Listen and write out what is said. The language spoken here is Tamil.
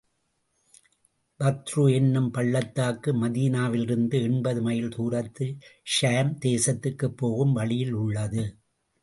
பத்ரு என்னும் பள்ளத்தாக்கு மதீனாவிலிருந்து எண்பது மைல் தூரத்தில், ஷாம் தேசத்துக்குப் போகும் வழியில் உள்ளது.